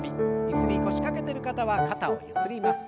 椅子に腰掛けてる方は肩をゆすります。